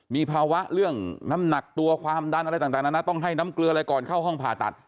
มีภาวะเรื่องน้ำหนักตัวความดันอะไรต่างนะนะต้องให้น้ำเกลืออะไรก่อนเข้าห้องผ่าตัด